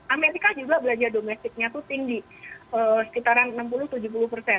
amerika juga belanja domestiknya tuh tinggi sekitar enam puluh tujuh puluh